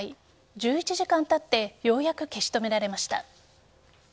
１１時間たってようやく消し止められました。